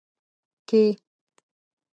کې